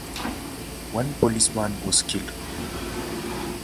One policeman was killed.